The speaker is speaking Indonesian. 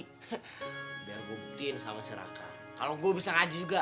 biar gue buktiin sama si raka kalo gue bisa ngaji juga